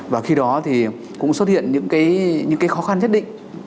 và khi đó thì cũng xuất hiện những cái khó khăn nhất định